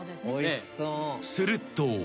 ［すると。